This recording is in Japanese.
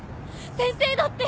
先生だって。